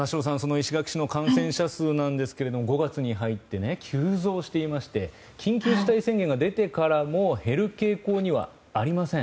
石垣市の感染者数ですが５月に入って、急増していまして緊急事態宣言が出てからも減る傾向にはありません。